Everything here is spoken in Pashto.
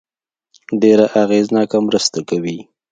ډېره اغېزناکه مرسته کوي.